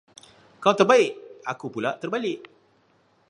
Kau terbaik! aku pulak terbalik.